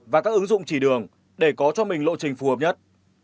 và các ứng dụng chỉ đường để có cho mình lộ trình phù hợp nhất